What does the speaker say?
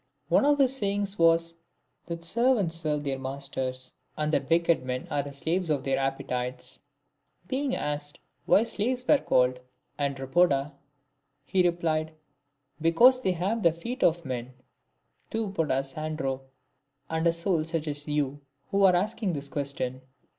One of his sayings was, that servants serve their masters, and that wicked men are the slaves of their appetites. Being asked why slaves were called avdgdKoda, he replied, " Because they have the feet of men (roOg ro'^aj avdguv'), and a soul such as you who are asking this question."